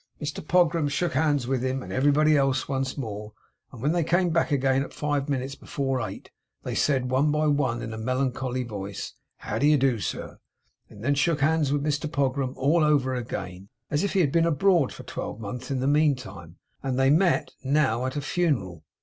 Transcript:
Mr Pogram shook hands with him, and everybody else, once more; and when they came back again at five minutes before eight, they said, one by one, in a melancholy voice, 'How do you do, sir?' and shook hands with Mr Pogram all over again, as if he had been abroad for a twelvemonth in the meantime, and they met, now, at a funeral.